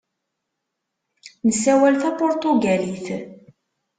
Nessawal tapuṛtugalit.